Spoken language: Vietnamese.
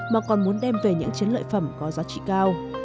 mà còn muốn đem về những chiến lợi phẩm có giá trị cao